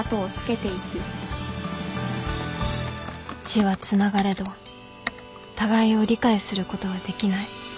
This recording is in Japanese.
「血は繋がれど互いを理解することはできない」